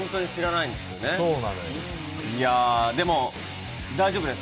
いやー、でも大丈夫です。